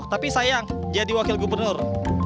tapi sayang jadi wakil gubernur